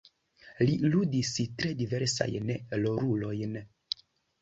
Li ludis tre diversajn rolulojn.